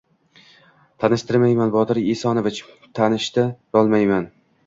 — Tanishtirmayman, Botir Esonovich, tanishti-rolmayman.